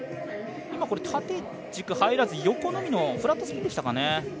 今、縦軸入らず、横のみのフラットスピンでしたかね？